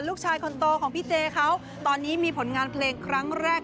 ลูกชายคนโตของพี่เจเขาตอนนี้มีผลงานเพลงครั้งแรก